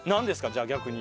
じゃあ逆に。